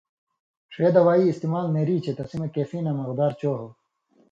ݜے دوائ استعمال نیری چے تسی مہ کیفیناں مغدار چو ہو۔